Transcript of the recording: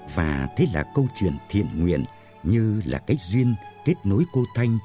và thế là câu chuyện thiện nguyện như là cái duyên kết nối cô thanh